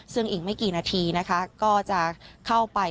ซึ่งอีกไม่กี่นาทีนะคะก็จะเข้าไป